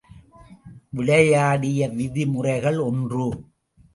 விளையாடிய விதிமுறைகள் ஒன்று.